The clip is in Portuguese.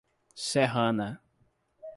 Serrana